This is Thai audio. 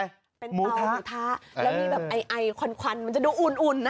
เป็นเตากระทะแล้วมีแบบไอไอควันมันจะดูอุ่นนะ